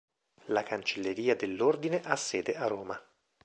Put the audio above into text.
La cancelleria dell'ordine ha sede a Roma.